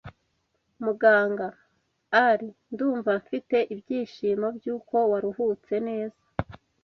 Muganga – “Ali ndumva mfite ibyishimo by’uko waruhutse neza.